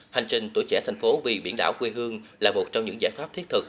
hành trình tuổi trẻ thành phố vì biển đảo quê hương là một trong những giải pháp thiết thực